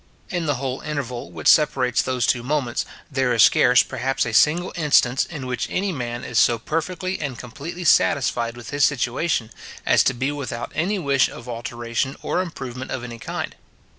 In the whole interval which separates those two moments, there is scarce, perhaps, a single instance, in which any man is so perfectly and completely satisfied with his situation, as to be without any wish of alteration or improvement of any kind.